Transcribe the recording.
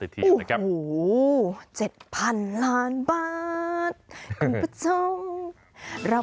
เห็นกระที่นี่นะครับ